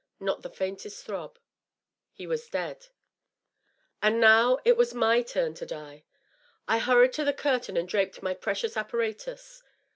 Not the faintest throb. He was dead. And now it was my turn to die ! I hurried to the curtain that draped my precious apparatus.